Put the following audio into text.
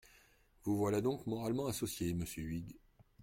Vous voilà donc moralement associé, monsieur Huyghe.